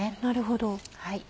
なるほど。